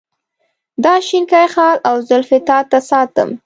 دا شینکی خال او زلفې تا ته ساتم.